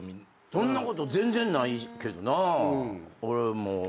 そんなこと全然ないけどな。